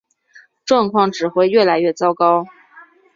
状况只会越来越糟糕